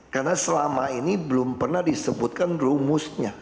karena selama ini belum pernah disebutkan rumusnya